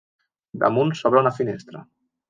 Damunt s'obre una finestra.